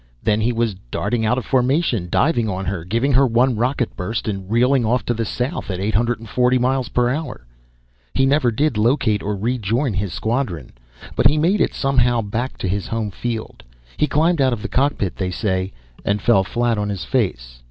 Then he was darting out of formation, diving on her, giving her one rocket burst and reeling off to the south at 840 MPH. He never did locate or rejoin his squadron, but he made it somehow back to his home field. He climbed out of the cockpit, they say, and fell flat on his face.